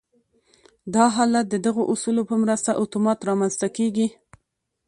دا حالت د دغو اصولو په مرسته اتومات رامنځته کېږي